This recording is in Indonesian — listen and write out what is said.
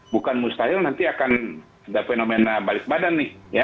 bukan mustahil nanti akan ada fenomena balik badan nih